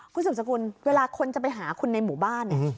คุณสุดสกุลเวลาคนจะไปหาคุณในหมู่บ้าน